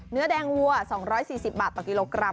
เนื้อแดงวัว๒๔๐บาทต่อกิโลกรัม